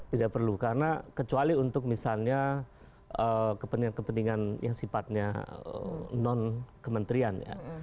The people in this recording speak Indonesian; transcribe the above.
tidak perlu karena kecuali untuk misalnya kepentingan kepentingan yang sifatnya non kementerian ya